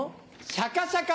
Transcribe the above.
シャカシャカが。